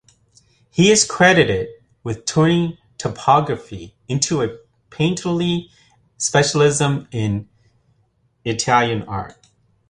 He is credited with turning topography into a painterly specialism in Italian art.